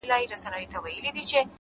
مهرباني د انسانیت ښکلی ځواک دی’